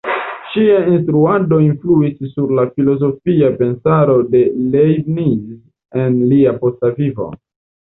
Ŝia instruado influis sur la filozofia pensaro de Leibniz en lia posta vivo.